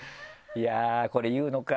いやこれ言うのか。